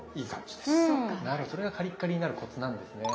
なるほどそれがカリッカリになるコツなんですね。